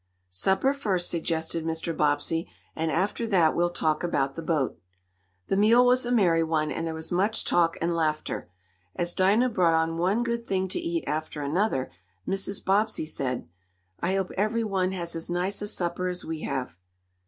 "Supper first," suggested Mr. Bobbsey, "and after that we'll talk about the boat." The meal was a merry one, and there was much talk and laughter. As Dinah brought on one good thing to eat after another, Mrs. Bobbsey said: "I hope every one has as nice a supper as we have."